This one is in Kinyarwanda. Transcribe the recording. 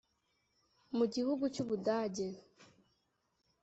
Mu gihugu cy’ubudage